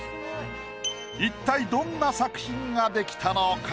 一体どんな作品が出来たのか？